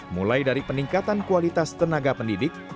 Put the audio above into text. mulai dari peningkatan kualitas tenaga pendidik